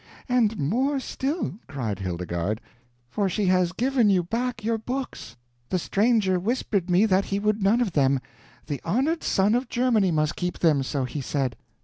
"And more still," cried Hildegarde, "for she has given you back your books; the stranger whispered me that he would none of them 'the honored son of Germany must keep them,' so he said.